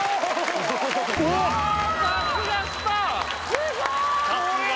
すごーい